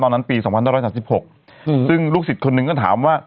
ตอนนั้นปี๒๕๓๖ซึ่งลูกศิษย์คนหนึ่งก็ถามว่า